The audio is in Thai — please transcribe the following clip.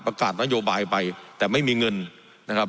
การนโยบายไปแต่ไม่มีเงินนะครับ